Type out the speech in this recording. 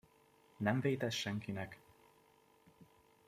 Nem vét ez senkinek!